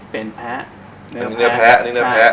เป็นเนื้อแพ้